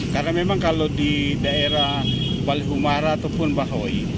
karena memang kalau di daerah balikbemara ataupun bahawai